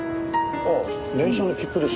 ああ電車の切符ですね。